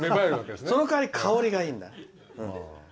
その代わり香りがいいんだよ。